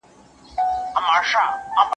آیا ته د دې نظر سره موافق یې؟